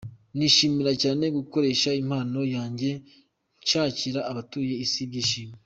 Nishimira cyane gukoresha impano yanjye nshakira abatuye Isi ibyishimo.